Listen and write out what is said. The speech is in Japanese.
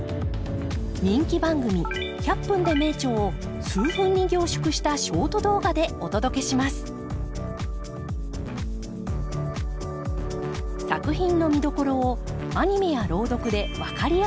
人気番組「１００分ｄｅ名著」を数分に凝縮したショート動画でお届けします作品の見どころをアニメや朗読で分かりやすくご紹介。